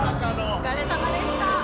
お疲れさまでした。